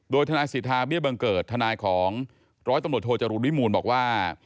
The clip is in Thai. โดยทนายสิทธาเบี้ยบังเกิดทนายของร้อยตำรวจโทจรูลวิมูลบอกว่า